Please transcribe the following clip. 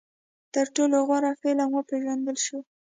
تر ټولو غوره فلم وپېژندل شو